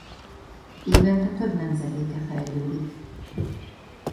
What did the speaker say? Évente több nemzedéke fejlődik.